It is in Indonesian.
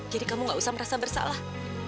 jadi kamu gak usah merasa bersalah